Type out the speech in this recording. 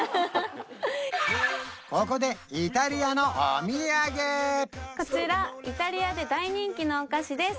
ここでイタリアのお土産こちらイタリアで大人気のお菓子です